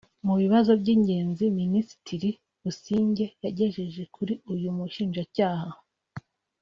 Mu bibazo by’ingenzi Minisitiri Busingye yagejeje kuri uyu Mushinjacyaha